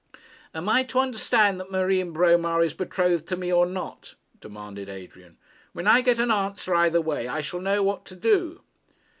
'Am I to understand that Marie Bromar is betrothed to me, or not?' demanded Adrian. 'When I get an answer either way, I shall know what to do.'